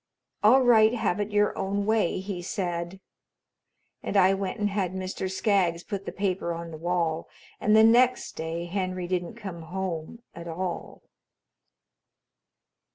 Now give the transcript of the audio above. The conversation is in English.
'All right, have it your own way,' he said, and I went and had Mr. Skaggs put the paper on the wall, and the next day Henry didn't come home at all.